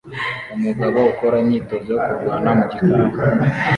Umugabo ukora imyitozo yo kurwana mu gikari